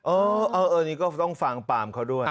เออนี่ก็ต้องฟังปรามเขาด้วย